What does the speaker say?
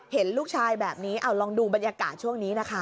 เห็นลูกชายแบบนี้เอาลองดูบรรยากาศช่วงนี้นะคะ